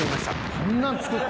こんなん作った？